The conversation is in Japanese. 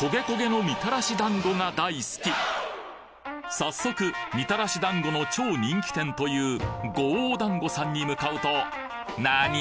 早速みたらし団子の超人気店という五王団子さんに向かうとなに！